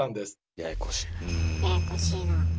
ややこしい。